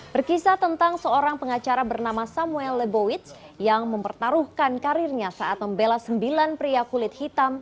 berkisah tentang seorang pengacara bernama samuel lebowitz yang mempertaruhkan karirnya saat membela sembilan pria kulit hitam